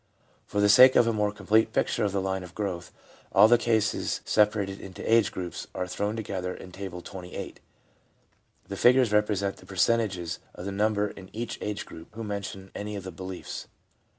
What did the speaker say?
For the sake of a more complete picture of the line of growth, all the cases, separated into age groups, are thrown together in Table XXVIII. The figures represent the percentages of the number in each age group who mention any of the beliefs.